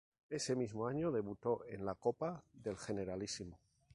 Ese mismo año debutó en la Copa del Generalísimo.